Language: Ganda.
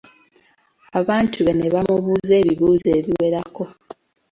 Abantu be ne bamubuuza ebibuuzo ebiwerako.